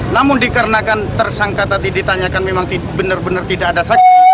namun dikarenakan tersangka tadi ditanyakan memang benar benar tidak ada saksi